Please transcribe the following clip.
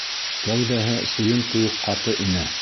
Кәүҙәһе суйын кеүек ҡаты ине.